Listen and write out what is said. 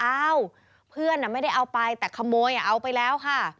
อ้าวเพื่อนน่ะไม่ได้เอาไปแต่ขโมยอ่ะเอาไปแล้วค่ะ